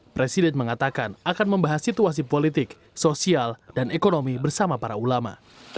presiden mengatakan akan membahas situasi politik sosial dan ekonomi bersama para ulama